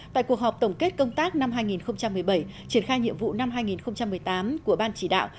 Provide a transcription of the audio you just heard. tại cuộc họp tổng kết công tác năm hai nghìn một mươi bảy triển khai nhiệm vụ năm hai nghìn một mươi tám của ban chỉ đạo